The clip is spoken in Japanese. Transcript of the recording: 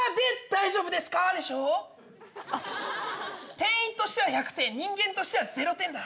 店員としては１００点人間としてはゼロ点だな。